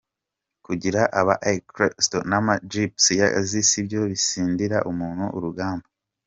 Kugira aba escorts n’ama jeeps y’akazi sibyo bitsindira umuntu urugamba!